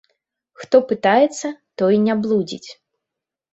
Хто пытаецца, той не блудзіць.